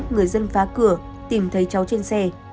người dân phá cửa tìm thấy cháu trên xe